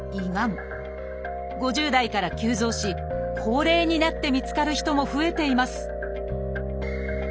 ５０代から急増し高齢になって見つかる人も増えています